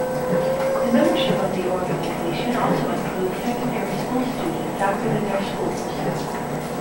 The membership of the organisation also includes secondary school students, active in their schools.